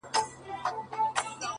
زموږ ملا صاحب هغه زړه سرُنا وايي’